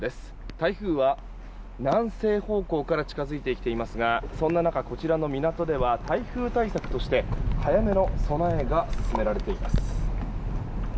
台風は、南西方向から近づいてきていますがそんな中、こちらの港では台風対策として早めの備えが進められています。